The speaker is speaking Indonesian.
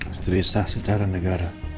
istri sah secara negara